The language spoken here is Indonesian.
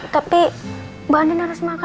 tapi mbak andian harus makan